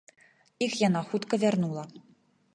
Іх яна хутка вярнула.